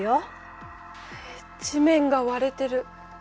地面が割れてる。